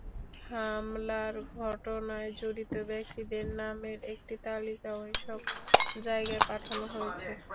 হামলার ঘটনায় জড়িত ব্যক্তিদের নামের একটি তালিকাও এসব জায়গায় পাঠানো হয়েছে।